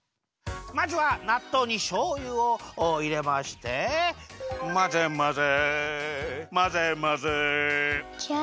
まずはなっとうにしょうゆをいれまして「まぜまぜまぜまぜ」じゃ。